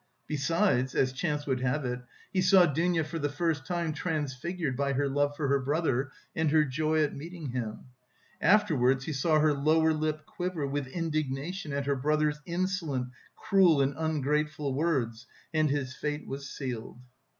Besides, as chance would have it, he saw Dounia for the first time transfigured by her love for her brother and her joy at meeting him. Afterwards he saw her lower lip quiver with indignation at her brother's insolent, cruel and ungrateful words and his fate was sealed.